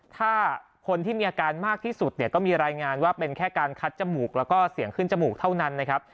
ถ้าคนที่มีอาการมากที่สุดเนี่ยก็มีรายงานว่าเป็นแค่การคัดจมูกแล้วก็เสียงขึ้นจมูกเท่านั้นนะครับ